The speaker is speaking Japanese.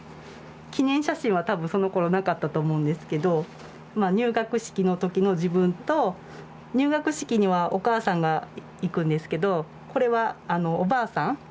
記念写真は多分そのころなかったと思うんですけどまあ入学式の時の自分と入学式にはお母さんが行くんですけどこれはあのおばあさん。